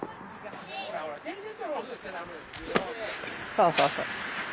「そうそうそう」